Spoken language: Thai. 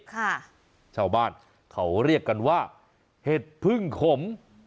ชาวบ้านเขาเรียกกันว่าเห็ดพึ่งขม